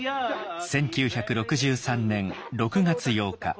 １９６３年６月８日。